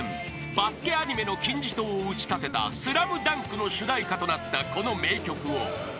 バスケアニメの金字塔を打ち立てた『ＳＬＡＭＤＵＮＫ』の主題歌となったこの名曲を］